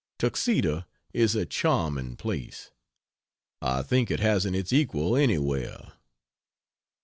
Tuxedo is a charming place; I think it hasn't its equal anywhere.